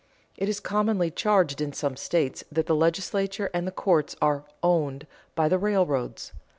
It is commonly charged in some states that the legislature and the courts are "owned" by the railroads.